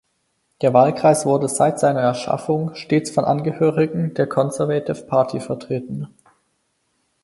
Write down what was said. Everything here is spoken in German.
Der Wahlkreis wurde seit seiner Erschaffung stets von Angehörigen der Conservative Party vertreten.